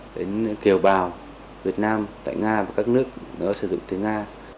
đến kiều bào việt nam tại nga và các nước sử dụng tiếng nga